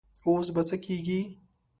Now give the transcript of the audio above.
اوس به څه کيږي؟